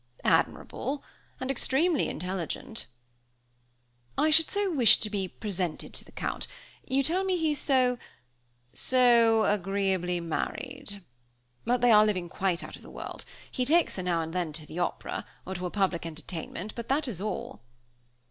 "Admirable, and extremely intelligent." "I should wish so much to be presented to the Count: you tell me he's so " "So agreeably married. But they are living quite out of the world. He takes her now and then to the Opera, or to a public entertainment; but that is all."